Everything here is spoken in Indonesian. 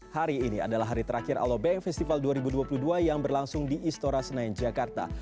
hari ini adalah hari terakhir alobank festival dua ribu dua puluh dua yang berlangsung di istora senayan jakarta